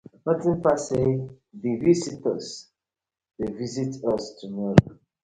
Notin pass say dek visitors dey visit us tomorrow,